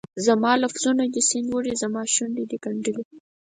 زما لفظونه دي سیند وړي، زماشونډې دي ګنډلي